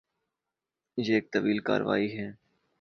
یہ ایک طویل کارروائی ہے۔